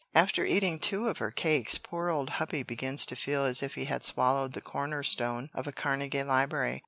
After eating two of her cakes poor old hubby begins to feel as if he had swallowed the corner stone of a Carnegie library.